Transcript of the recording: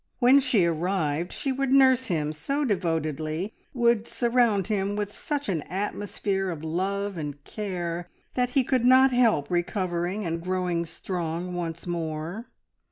When she arrived she would nurse him so devotedly, would surround him with such an atmosphere of love and care, that he could not help recovering and growing strong once more.